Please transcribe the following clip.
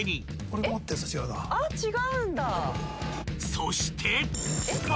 ［そして］